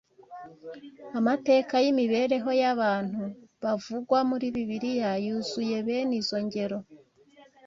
amateka y’imibereho y’abantu bavugwa muri Bibiliya yuzuye bene izo ngero